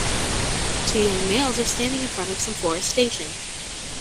Two young males are standing in front of some forestation.